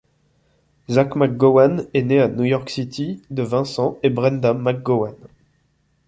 Zack McGowan est né à New York City, de Vincent et Brenda McGowan.